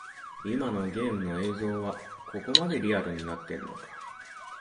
今のゲームの映像はここまでリアルになってんのか